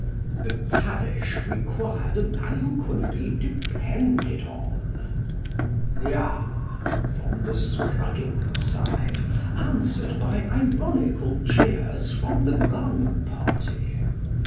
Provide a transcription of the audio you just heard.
The parish required a man who could be depended on ("Hear!" from the Spruggins side, answered by ironical cheers from the Bung party).